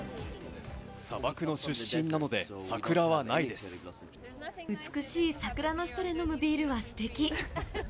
砂漠の出身なので、桜はない美しい桜の下で飲むビールはすてき。